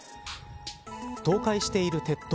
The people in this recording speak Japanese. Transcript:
倒壊している鉄塔。